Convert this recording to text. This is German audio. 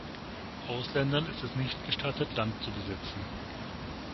Ausländern ist es nicht gestattet Land zu besitzen.